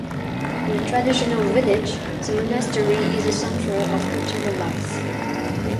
In a traditional village, the monastery is the centre of cultural life.